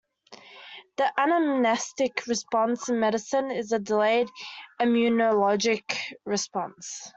An anamnestic response in medicine is a delayed immunologic response.